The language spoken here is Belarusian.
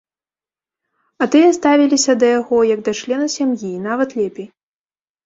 А тыя ставіліся да яго, як да члена сям'і і нават лепей.